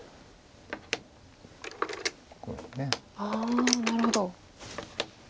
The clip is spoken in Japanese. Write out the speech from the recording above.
ああなるほど。